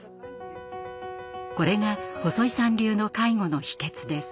これが細井さん流の介護の秘けつです。